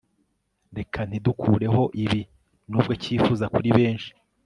reka ntidukureho ibi, nubwo cyifuza kuri benshi